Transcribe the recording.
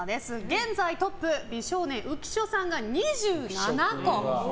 現在トップ美少年・浮所さんが２７個。